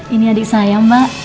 ini adik saya mbak